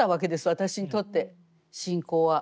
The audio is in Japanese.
私にとって信仰は。